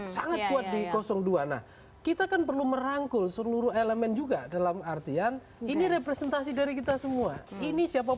sangat kuat di dua nah kita kan perlu merangkul seluruh elemen juga dalam artian ini representasi